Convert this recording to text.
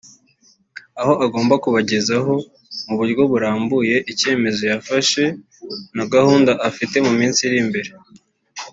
aho agomba kubagezaho mu buryo burambuye icyemezo yafashe na gahunda afite mu minsi iri imbere